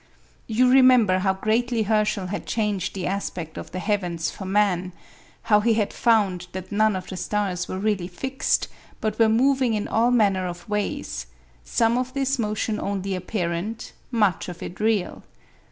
You remember how greatly Herschel had changed the aspect of the heavens for man, how he had found that none of the stars were really fixed, but were moving in all manner of ways: some of this motion only apparent, much of it real.